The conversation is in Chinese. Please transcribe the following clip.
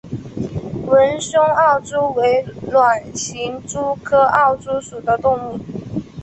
纹胸奥蛛为卵形蛛科奥蛛属的动物。